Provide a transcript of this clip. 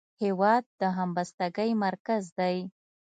هېواد د همبستګۍ مرکز دی.